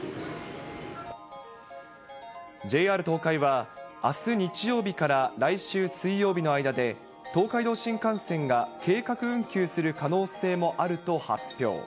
ＪＲ東海は、あす日曜日から来週水曜日の間で、東海道新幹線が計画運休する可能性もあると発表。